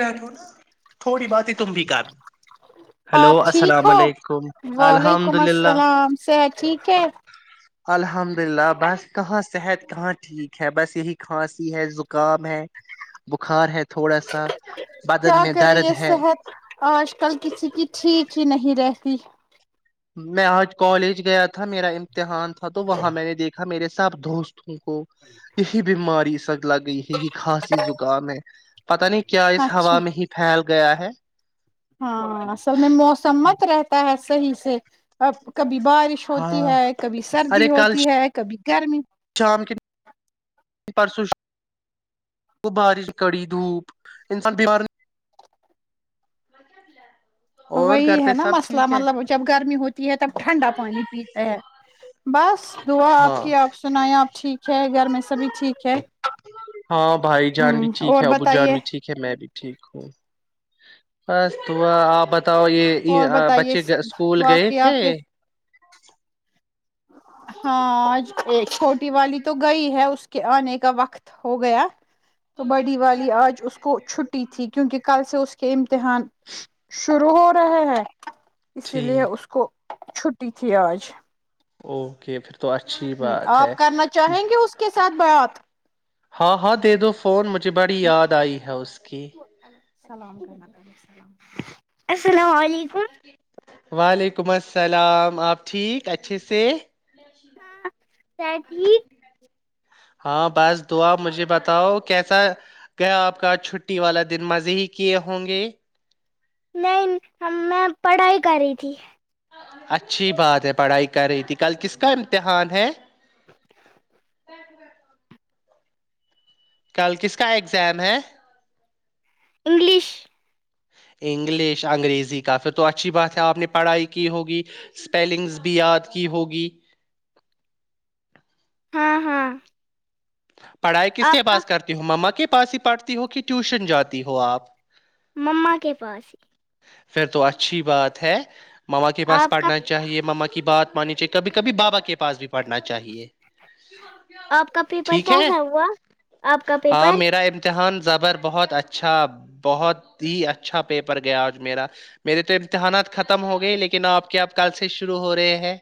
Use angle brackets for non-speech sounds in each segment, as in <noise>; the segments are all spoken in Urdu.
رہ نا تھوڑی بات ہی تم بھی ک آپ ٹھیک ہو الحمد وعلیکم للہ السلام سحت ٹھیک ہے الحمد للہ بس کہاں صحت کہاں ٹھیک ہے بس یہی کھانسی ہے زکام ہے بخار ہے تھوڑا سا بدن کیا میں کرے درد یہ ہے صحت آج کل کسی کی ٹھیک ہی نہیں رہتی میں آج کالج گیا تھا میرا احان تھا تو وہاں میں نےیکھا میرے سب دوست کو یہی بیماری سک لگ گئی ہے ہی خھاسی زکام ہے پتا نہیں کیا اس اچھا ہوا میں ہی پھیل گیا ہے ہاں اصل میں موسم مست رہتا ہے صحیح سے ا ب کبھی بھی بارش ہوتی ہاں ہے کبھی سردی ارے کل ہوتی ہے کبھی گرمی شام کے پرسوں سے وہ بارش کڑی دھوپ انسان بیمار جی وہی ہے نا مسئلہ مطلب جب گرمی ہوتی ہے تب ٹھنڈا پانی پیتا ہے بس دعا ہاں آپ کی آپ سنیں آپ ٹھیک ہے گھر میں سبھی ٹھیک ہے ہاں بھائی جان بھی ہ ٹھیک اور ہے ابو جان بتائیے بھی ٹھیک ہے میں بھی ٹھیک ہوں بس تو آپ ب بتاؤ اور یہ بتائیے بچے اسکول گئے باقی تھے ہاںج ایک چھوٹی والی تو گئی ہے اس کہ آنے کا وقت ہو گیا تو بڈی والی آج اس کو چھٹی تھی کیونکہ کل سے اس کے امتحان شروع ہو ہ ہاں ہ <inaudible> اسی لیے ٹھیک اس کو چھٹی تھی آج اوکے پھر تو اچھی ہ بات ہے آپ کرنا چاہیں گے اس کے ساتھ بڑات ہاں ہاں دے دو فون مجھے بڑی یاد آئی ہے اس کی الل السلام علیکم وعلیکم السلام آپ ٹھیک اچھے سے کیا ٹھیک ہاں بس دعا مجھے بتاؤ کیسا گیا آپ کا چھٹی والا دن مزے ہی کیے ہوں گے نہیں میں پڑھائی کر رہی تھی اچھی بات ہے پڑھائی کر رہی تھی کل کس کا امتحان ہے <inaudible> کل کس کا اگزام ہے انگلیش انگلش انگریزی کافھر تو اچھی بات ہے آپ نے پڑھائی کی ہوگی اسپیلنگز بھی یاد کی ہوگی ہاں ہاں پڑھائی کس کے آپ کا پاس کرتی ہوں ما کی پاس ہی پڑتی ہو کہ ٹیوشن جاتی ہو آپ مما کے پاس ہی پھر تو اچھی بات ہے مما کے پاس آپ کا پڑھنا چاہیے مما کی بات مانی چاہے کبھی کبھیابا کے پس بھی پڑھنا چاہیے آپ کا پیپر ٹھیک ہے کیسا ہوا آپ کا ہاں پیپر میرا امتحان زبر بہت اچھا بہت ہی اچھا پیپر گیا میرا میرے تو امتحانات ختم ہو گئے لیکن آپ کیا آپ کل سے شروع ہو رہے ہیں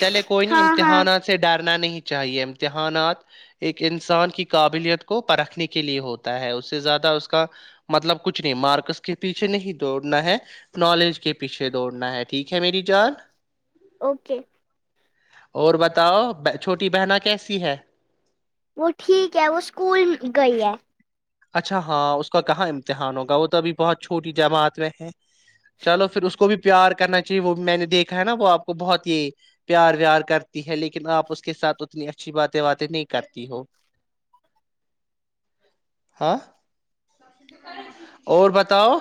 چلے کوئی نہیں ہاں ہاں امتحانات سے ڈال نہیں چاہیے امتحانات ایک انسان کی قابلیت کو پرکھنے کے لیے ہوتا ہے اس سے زیادہ اس کا مطلب کچھ نہیں مارکس کے پیچھے نہیں دوڑنا ہے نالج کے پیچھے دوڑنا ہے ٹھیک ہے میری جان اوکے اور بتاؤ چھوٹی بہن کیسی ہے وہ ٹھیک ہے وہ اسکول گئی ہے اچھا ہاں اس کا کہاں امتحان ہوگا وہ تو ابھی بہت چھوٹی جماعت میں ہے چلو پھر اس کو بھی پیار کرنا چاہیے وہ میں نے دیکھا ہے نا وہ آپ کو بہت ہی پیار ویار کرتی ہے لیکن آپ اس کے ساتھ اتنی اچھی باتیں باتیں نہیں کرتی ہو ہاں اور بتاؤ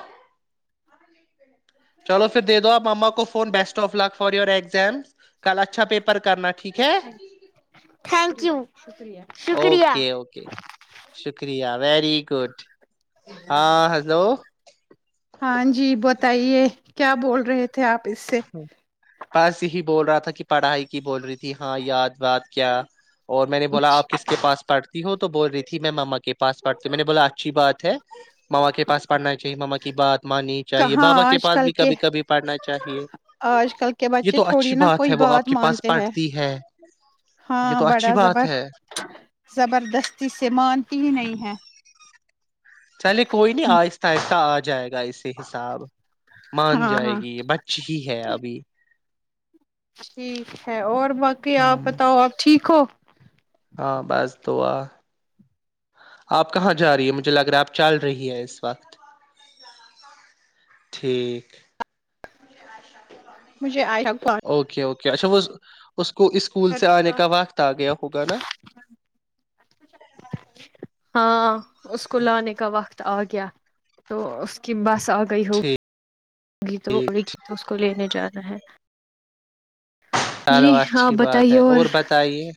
چلو پھر دے دو آپ ما کو phone best <inaudible> of luck for your exam کل اچھا پیپر کرنا ٹھیک ہے تھینک یو شکریہ اوکے اوکے شکریہ ویری گڈ ہاں ہلو ہاں جی بتائیے کیا بول رہے تھے آپ اس سے ہ بس یہی بول رہا تھا کہ پڑھائی کی بول رہی تھی ہاں یاد بات کیا اور میں نے بولا آپ کس کے پاس پڑ ت ہوں تو بول رہی تھی میں ماما کے پاس پڑھتی ہ میں نے بولا اچھی بات ہے ماما کے پاس پڑھنا چاہیے ماما کی بات مانی چاہیے کہاں بابا کے آج پاس کل بھی کبھی کبھی پڑھنا چاہیے آج کل کے یہ بچے تو تھوڑی اچھی نہا کوئی ہے وہ آپ بات کے پاس مانتے ہیں پڑھتی ہے یہ ہاں تو اچھی بڑا بات زبر ہے زبردستی سے مانتی ہی نہیں ہے چلے کوئی نہیں آہستہ آہستہ آ جائے گا گ اسی حساب مان ہاں جائے ہاں گی یہ بچ ہی ہے ابھی ٹھیک ہے اور باقی آپ ہوں بتاؤ آپ ٹھیک ہو ہاں بس دا آپ کہاں جا رہی مجھے لگ رہا ہے آپ چل رہی ہے اس وقت ٹھیک مجھے آئی اچھاوز اس کو اسکول سے آنے کا وقت آ گیا ہوگا نا ہاں اس کو لانے کا وقت آ گیا تو اس کی بس س گئی ہو ٹھیک گیتوں ٹھیک، اوری گیت اس کو لینے جانا ہے جی چلو آپ اچھی بات بتائیے ہے اور بتائیے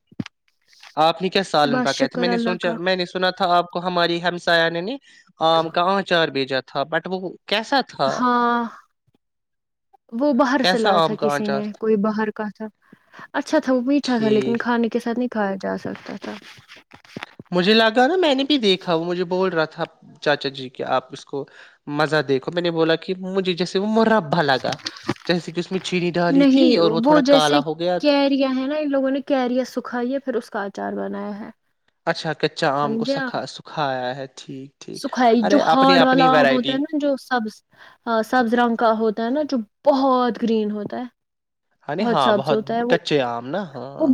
آپ نے کیا سالن پ بس کہ تھا شکر میں نے اللہ سوچا کا میں نے سنا تھا آپ کو ہماری ہم ساانینی آم کا آچار بھیج جاتا تھ بٹ وہ کیسا تھا ہاں وہ باہر سے کیسا لایا تھا آم کا کسی آچار نے تھا کوئی باہر کا تھا اچھا تھا وہ میٹھا تھا لیکن ٹھیک کان کے سات نہیں اھایا جا سکتا تھا مجھے لگا نا میں نے دیکھا وہ مجھے بول رہا تھا چاچا جی کہ آپ اس کو مزہ دیکھو میں نے بولا کہ مجھے جیسے وہ م ربااگا جیسے کہ اس میں چینی ڈالی تھی نہیں اور وہ تھوڑا جیسے کالا ہو گیا کیریاں ہے نا ان لوگوں نے کیریا سکھائییا پھر اس کا اچار بنایا ہے اچھا کچا آم کو سکھا سکھایا ہے ٹھیک ٹھیک سکھ جو ارے اپنی ہارڈ والا اپنی آام ہوتا ویرائٹی ہے نا جو سبز سبز رنگ کا ہوتا ہے نا جو بہت گرین ہوتا ہے ہاں سبز بہت ہوتا ہے وہ کچے آم نا ہاں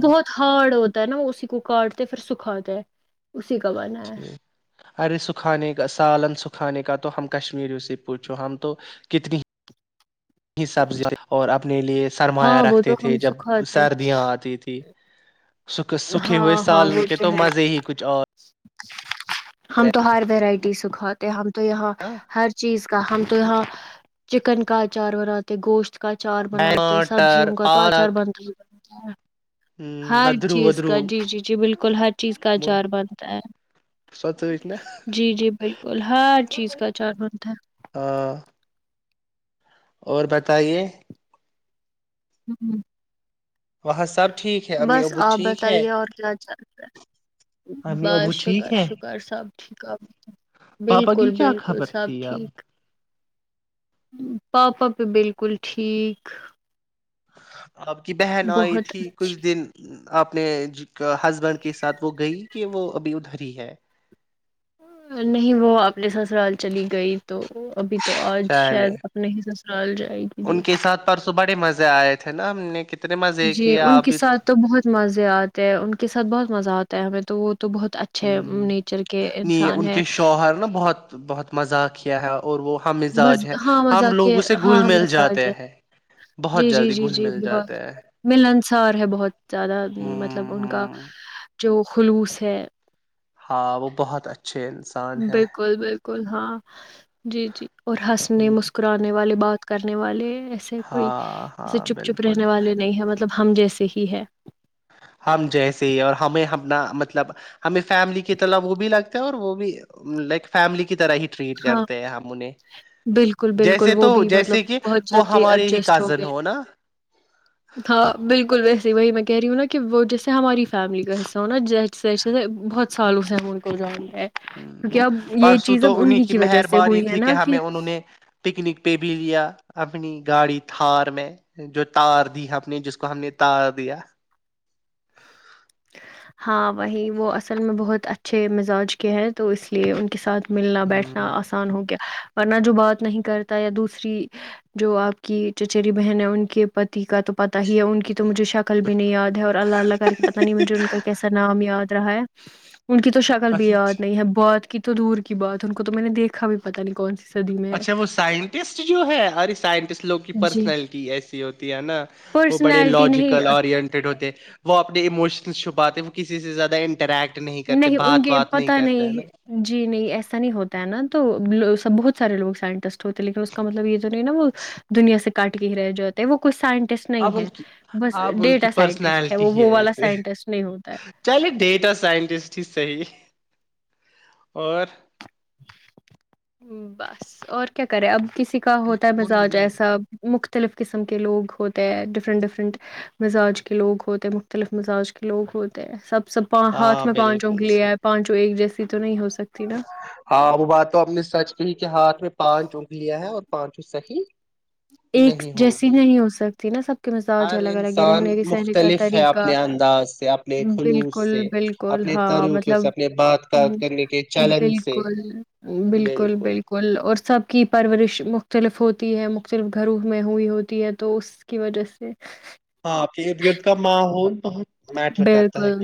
تا ہے نا اسی کو کاٹتے پھر سکھا د ہے اسی کا بنا ہے ٹھیک ارے سکھانے کا سالن سکھانے کا تو ہم کشمیریوں سے پوچھو ہم تو کتنی سبزیاں اور اب اپنے لیے سرمایہ ہاں وہ تو رکھتے تھے ہم جب سکھاتے ہیں، سردیاں آتی تھی سکھ سکھے ہوئے ہاں ہاں سالن وہ کے تو ہے مزے ہی کچھ اور <inaudible> ہم تو ہر وورائٹی ا سکھ ہے ہم تو یہاں نا، ہر چیز کا ہم تو یہاں چکن کا اچار بناتے گوشت کا اچار بناتے ٹماٹر سبزیوں کا تو اچار بنتا ہی ہاں ہوں اد چیز کا جی جی جی بالکل ہر چیز کا اچار بنتا ہے سچ نا جی جی بالکل ہر چیز کا اچار بنتا ہے ہاں اور بتائیے ہوں وہاں سب ٹھیک ہے امی بس ابو آپ ٹھیک ہے بتائیے اور کیا چلتا ہے امی ابو بس ٹھیک شکر ہے شکر سب ٹھیک آپت پاپا کی بالکل کیا بالکل خبر سب تھی اب ٹھیک پاپا بھی بالکل ٹھیک آپ کی بہن آئی بہت تھی کچھ اچھی دن اپنے ج ہسبینڈ کے ساتھ وہ گئی کہ وہ ابھی ادھر ہی ہے نہیں وہ آنے سسرال چلی گئی تو ابھی تو آج چلے شاید اپنے حساب سے ال جائے <inaudible> ان کے ساتھ پرسوں بڑے مز آئے تھے نا ہم نے کنے <unintelligible> جی ان کے ساتھ تو بہت مزے آتے ہیں ان کے ساتھ بہت مزہ آتا ہے ہمیں تو وہ <unintelligible> ہ اچھے نیچر کے نہیں انسان ان ہے کے شوہر نا بہت بہت مذاق ہی کیا ہےا <unintelligible> بس ہاں مذاق سے ہاں گھل ہم مل مزا ج جاتے ہیں جی بہت جی جلدی جی گھل جی مل بہت جاتے ہیں ملنسار ہے بہت زیادہ ہ مطلب ان کا ہ جو خلوص ہے <unintelligible> ہاں وہ بہت اچھا <unintelligible> بالکل بالکل ہاں جی جی اور ہنسنے مسکرانے والی بات کرنے والے <unintelligible> ایسے کوئی ہاں ایسے ہاں چپ چپ بالکل رہنے والے نہیں ہے مطلب ہم جیسے ہی ہے ہم جیسے ہی اور ہمیں اپنا مطلب ہمیں فیملی کی طرح وہ بھی لگتا ہے اور وہ بھی لائک فیملی کی طرح ہی ٹریٹ ہاں کرتے ہیں ہم انہیں بالکل بالکل جیسے وہ تو بھی مطلب جیسے کہ بہت وہ جلدی ہمارے ہی ایڈجسٹ ہو کازن گئے نا ہاں بالکل ویسے وہی میں کہہ رہی ہوں نا کہ وہ جیسے ہماری فیملی کا حصہ ہونا جیسے جیسے بہت سالوں سے ہم ان کو جانیں گے کیونکہ اب یہ پرسوں چیز اب تو ان انہیں مہربانی تھی کہ ہمیں انہوں نے پکنک پہ بھی لیا اپنی گاڑی تھار میں جو تار دی ہم نے جس کو ہم نے تار دیا ہاں وہی وہ اصل میں بہت اچھے مزاج کے ہیں تو اس لیے ان کے ساتھ ملنا بیٹھنا ہوں آسان ہو گ ورنہ جو بات نہیں کرتا یا دوسری جو آپ کی چچیری بہن ہے ان کے پتی کا تو پتا ہی ہے ان کی تو مجھے شکل بھی نہیں یا ہے اور اللہ اللہ کر کے ب جو ان کا کیسا نام اتر ہے ان کی تو شکل بھی یاد اچھا نہیں ہے بہت کی تو دور کی بات ان کو تو میں نے دیکھا بھی پتا نہیں کون سی صدی میں ہے اچھا وہ سائنٹسٹ جو ہے ار سائنٹسٹ لوگوں کی جی پرسنالٹی ایسی ہوتی ہے نا وہ بڑے پرسنالٹی نہیں لاجیکل اورنٹیڈ ہوتے ہیں وہ اپنے اموشن شبات ہے وہ کسی سے زیادہ انٹریکٹ کرتے نہیں ان بات کے بات پت کرتے ہے نہیں نا جی نہیں ایسا نہیں ہوتا ہے نا تو بہت سارے لگ سائنٹسٹ ہوتے لیکن اس کا مطلب یہ تو نہیں نا وہ دنیا سے کاٹ کے ہی رہ جاتے ہیں وہ کوئی سائن سٹ نہیں اب ان ہے کی بس اب ان کی ڈیٹا سائنٹسٹ ہے پرسنالٹی وہ ہی وہ والا ایسے سائنٹسٹ نہیں ہوتا ہے ایز صحی اور بس اور کیا کریں اب <inaudible> کسی کا ہوتا ہے منو مزاج منو ایسا مختلف قسم کے لوگ ہوتے ہیں ڈفرنٹ ڈفرنٹ مزاج کے لوگ ہوتے ہیں مختلف مزاج کے لوگ ہوتے ہیں سب سب ہاتھ ہاں میں پانچوں بالکل کے لے آئے صحیح پانچوں ایک جیسے تو نہیں ہو سکتی نا ہاں وہ بات تو اپ نے سچ کی کے ہاتھ میں پانچ چونک لیا ہے اور پانچو صیح ایک جیسی نہیں ہو سکتی تین سب <inaudible> کے مزاج ہر الگ الگ ہے انسان رہنے کے سہنے کا مختلف ہے طریقہ اپنے انداز سے اپنے خلوص بالکل سے بالکل اپنے ہاں طریقوں مطلب سے اپنے بات ہ بات کرنے کے چلن سے بالکل بالکل بالکل اور سب کی پرورش مختلف ہوتی ہے صرف گھروں میں ہوئی ہوتی ہے تو اس کی وجہ سے ہاں کت گٹ کا ماحول ب بالکل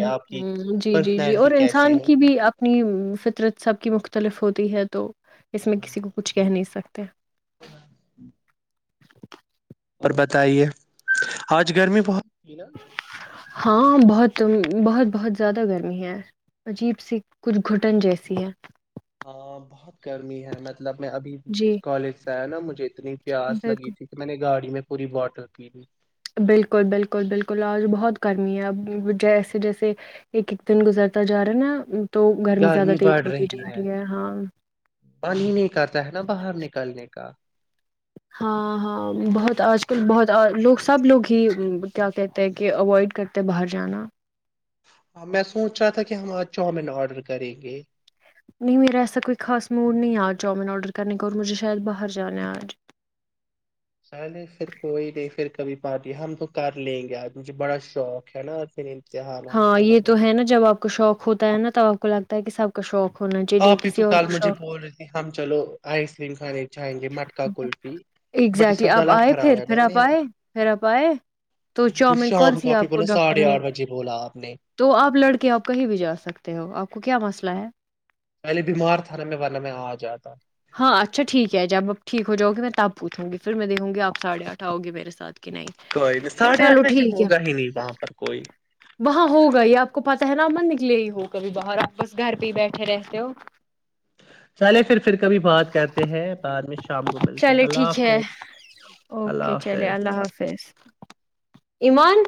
جی جی جی پرسنالٹی اور کیسی انسان کی ہوگی بھی اپنی فطرت سب کی مختلف ہوتی ہے تو اس میں کسی کو کچھ کہہ نہیں سکتے اور بتائیے آج گرمی بہت این <inaudible> ہاں بہت بہت بہت زیادہ گرمی ہے عجیب سی کچھ گھٹن جیسی ہے ہاں بہت گرمی ہے میں مطلب میں ابھی جی کالج سے آیا نا مجھے اتنی پیاس لگی بالکل تھی کہ میں نے گاڑی میں پوری باٹل پی لیی بالکل بالکل بالکل آج بہت گرمی ہے اب جیسے جیسے ایک ایک دن گزرتا جا رہا ہے نا تو زیادہ گرمی تیز بڑھ ہوتی جا رہی ہے ہاں پانی نہیں کرتا ہے نا باہر نکلنے کا ہاں ہاں بہت آج کل بہت لوگ سب لوگ ہی کیا کہتے ہیں کہ اوائڈ کرتے ہیں باہر جانا میں سوچ رہا تھا کہ ہم آج چاؤمن آرڈر کریں گے نہیں میرا ایسا کوئی خاص موڈ نہیں ہے آج چؤمن آرڈر کرنے کو اور مجھے شاید باہر جانا ہے آج چلے پھر کوئی نہیں پھر کبھی پارٹی ہم تو کر لیں گے آ مجھے بڑا شوق ہے نا پھر امتحانات ہاں یہ ختم ہو تو ہے گئے نا جب آپ کو شوق ہوتا ہے نا توب آپ کو لگتا ہے کہ سب کا شوق ہونا چاہیے جب آپ ہی کسی تو اور کل کا مجھے شوق بول رہی تھی ہم چلو آئس کریم کھانے جائیں گے مٹکا کلفی بٹ اس ایگزیکٹلی وق آپ گلا آئے خراب پھر ہے پھر آپ ن آئے پھر آپ آئے تو ما چاؤمین کون شام کو سی آپ ہی بلا ڈاکٹر ساڑھے نے آٹھ بجے بول تو آپ لڑک آپ کہیں بھی جا سکتے ہو آپ کو کیا مسئلہ ہے پہلے بیمار تھا نم ورنہمہ آ جاتا ہاں اچھا ٹھیک ہے جب آپ ٹھیک ہو جؤ گی میں تب پوھوں گی پھر دھوں گیپاھے آٹ آؤے میرے ساتھ کہ نہیں کوئی نہیں ساڑھے آٹھ چلو بج سے ٹھیک ہوگا ہی نہیں وہاں پر کوئی ہاں ہوگا ہی آپ کو پتا ہے نا مند نکلے ہی ہو کبھی باہر آپ بس گھر پہ ہی بیٹھے رہتے ہو چلے پھر پھر کبھی بات کرتے ہیں بعد میں شام کو ملتے چلے اللہ ٹھیک ہے حافظ اللہ اوکے چلے اللہ حافظ حافظ ایمان